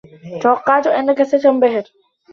توقعت أنك ستنبهر.